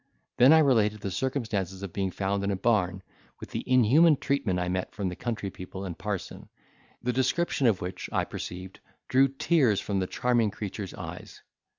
Then I related the circumstances of being found in a barn, with the inhuman treatment I met with from the country people and parson; the description of which, I perceived, drew tears from the charming creature's eyes.